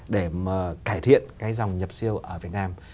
để mà cải thiện cái dòng nhập siêu ở việt nam